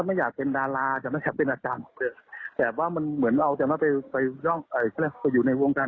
เราบอกว่ามีบุคคลที่ใช้ลายชื่อนี้